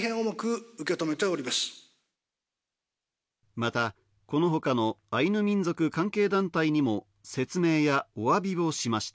また、この他のアイヌ民族関係団体にも説明やお詫びをしました。